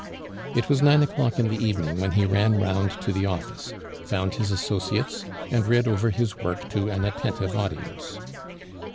It was nine o'clock in the evening when he ran round to the office, found his associates, and read over his work to an attentive audience.